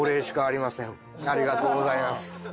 ありがとうございます。